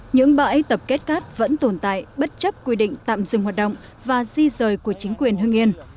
những bãi tập kết cát vẫn tồn tại bất chấp quy định tạm dừng hoạt động và di rời của chính quyền hưng yên